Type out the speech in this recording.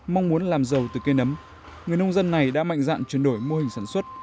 mong muốn làm giàu từ cây nấm người nông dân này đã mạnh dạn chuyển đổi mô hình sản xuất